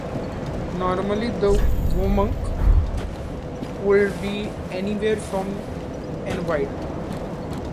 Normally the umiak would be anywhere from and wide.